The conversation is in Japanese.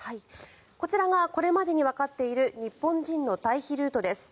こちらがこれまでにわかっている日本人の退避ルートです。